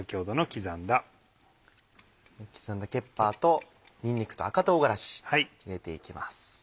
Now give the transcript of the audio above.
刻んだケッパーとにんにくと赤唐辛子入れて行きます。